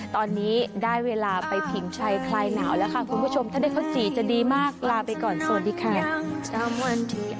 ตอนนี้ได้เวลาไปผิงชัยคลายหนาวแล้วค่ะคุณผู้ชมถ้าได้ข้าวจี่จะดีมากลาไปก่อนสวัสดีค่ะ